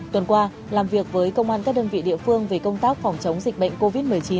tuần qua làm việc với công an các đơn vị địa phương về công tác phòng chống dịch bệnh covid một mươi chín